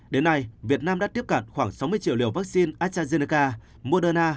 đến nay việt nam đã tiếp cận khoảng sáu mươi triệu liều vaccine astrazeneca moderna